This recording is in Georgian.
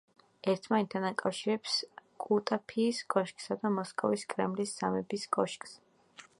ერთმანეთთან აკავშირებს კუტაფიის კოშკსა და მოსკოვის კრემლის სამების კოშკს.